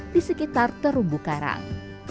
di sekitar terumbu karang